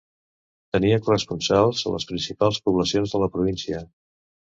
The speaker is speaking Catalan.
Tenia corresponsals a les principals poblacions de la província.